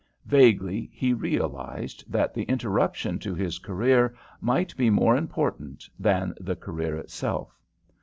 Vaguely he realised that the interruption to his career might be more important than the career itself.